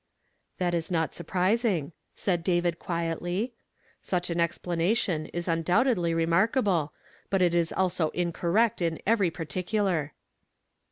"That is not surprising," said David quietly. "Such an explanation is undoubtedly remarka ble, but it is also incorrect in every particular."